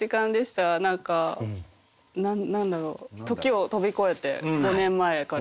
何か何だろう時を飛び越えて５年前から。